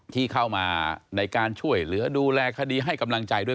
ที่เข้ามาในการช่วยเหลือดูแลคดีให้กำลังใจด้วย